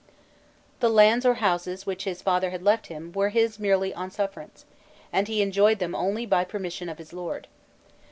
The lands or houses which his father had left him, were his merely on sufferance, and he enjoyed them only by permission of his lord.